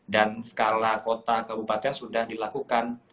dan skala kota kebupatannya sudah dilakukan